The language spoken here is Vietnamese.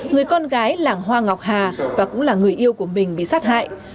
người con gái là hoa ngọc hà và cũng là người yêu của mình bị sát hại